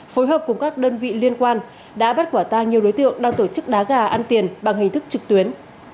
phối hợp cùng các đơn vị liên quan đã bắt quả tang nhiều đối tượng đang tổ chức đá gà ăn tiền bằng hình thức trực tuyến